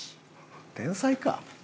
天才か。